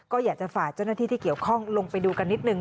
ก็อยากจะฝากเจ้าหน้าที่ที่เกี่ยวข้องลงไปดูกันนิดนึง